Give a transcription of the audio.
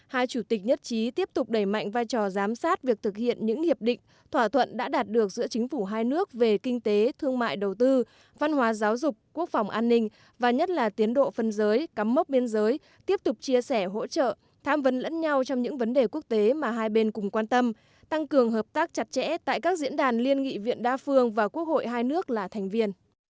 hai chủ tịch nhất trí tiếp tục đẩy mạnh vai trò giám sát việc thực hiện những hiệp định thỏa thuận đã đạt được giữa chính phủ hai nước về kinh tế thương mại đầu tư văn hóa giáo dục quốc phòng an ninh và nhất là tiến độ phân giới cắm mốc biên giới tiếp tục chia sẻ hỗ trợ tham vấn lẫn nhau trong những vấn đề quốc tế mà hai bên cùng quan tâm tăng cường hợp tác chặt chẽ tại các diễn đàn liên nghị viện đa phương và quốc hội hai nước là thành viên